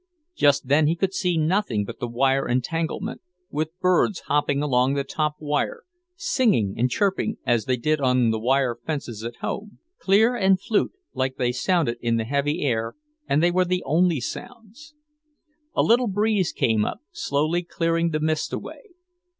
Just then he could see nothing but the wire entanglement, with birds hopping along the top wire, singing and chirping as they did on the wire fences at home. Clear and flute like they sounded in the heavy air, and they were the only sounds. A little breeze came up, slowly clearing the mist away.